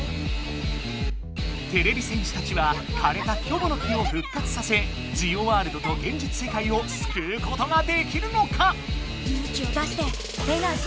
てれび戦士たちはかれたキョボの木を復活させジオワールドと現実世界をすくうことができるのか⁉勇気を出して「エナジー」ってさけぶメラ！